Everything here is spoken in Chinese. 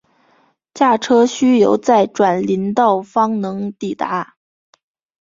驾车需由再转林道方能抵达。